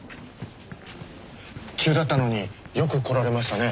急だったのによく来られましたね。